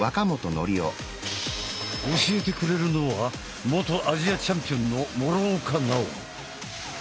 教えてくれるのは元アジアチャンピオンの諸岡奈央。